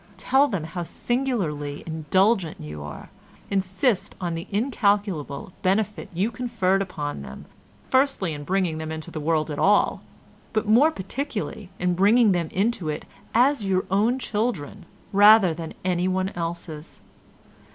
Tell them how singularly indulgent you are; insist on the incalculable benefit you conferred upon them, firstly in bringing them into the world at all, but more particularly in bringing them into it as your own children rather than anyone else's.